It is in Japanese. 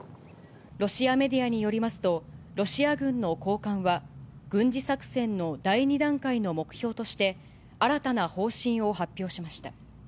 ロシアメディアによりますと、ロシア軍の高官は、軍事作戦の第２段階の目標として、新たな方針を発表しました。